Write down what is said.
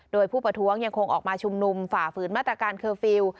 โดยผู้ประท้วงยังคงออกมาชุมนุมฝ่าฝืนมาตรการเคอร์ฟิลล์